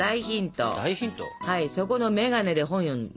はいそこの眼鏡で本読んで下さい。